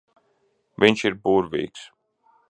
Viņš ir burvīgs.